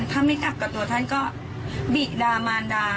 ถ้าไม่กลับกับตัวท่านก็บิดามานดา